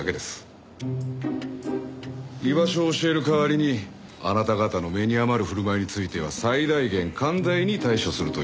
居場所を教える代わりにあなた方の目に余る振る舞いについては最大限寛大に対処するという約束で。